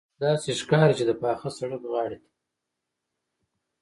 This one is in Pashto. داسې ښکاري چې د پاخه سړک غاړې ته.